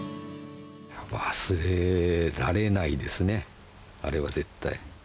忘れられないですね、あれは絶対。